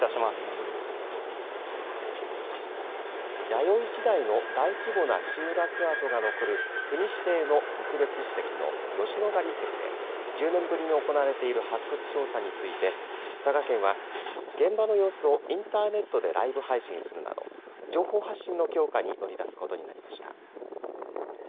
弥生時代の大規模な集落跡が残る、国指定の特別遺跡の吉野ヶ里遺跡で、１０年ぶりに行われている発掘調査について佐賀県は現場の様子をインターネットでライブ配信するなど情報発信の強化に乗り出すことになりました。